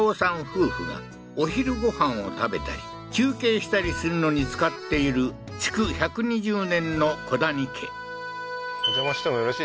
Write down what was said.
夫婦がお昼ご飯を食べたり休憩したりするのに使っている築１２０年の古谷家